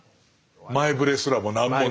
前触れすらも何もないっていう。